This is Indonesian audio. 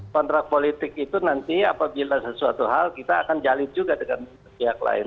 kontrak politik itu nanti apabila sesuatu hal kita akan jalin juga dengan pihak lain